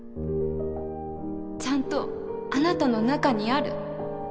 ちゃんとあなたの中にある。